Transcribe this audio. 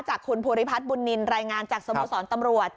จากคุณภูริพัฒน์บุญนินรายงานจากสโมสรตำรวจ